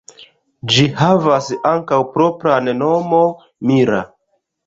Ĝi havas ankaŭ propran nomo "Mira".